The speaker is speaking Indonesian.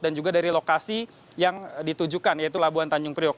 dan juga dari lokasi yang ditujukan yaitu labuan tanjung priok